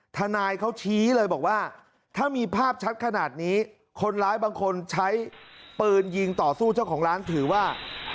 ทนายเขาชี้เลยบอกว่าถ้ามีภาพชัดขนาดนี้คนร้ายบางคนใช้ปืนยิงต่อสู้เจ้าของร้านถือว่า